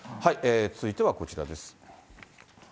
続いてはこちらです。